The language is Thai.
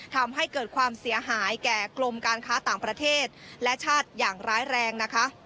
ทำให้เกิดความเสียหายแก่กรมการค้าต่างประเทศและชาติอย่างร้ายแรงนะคะ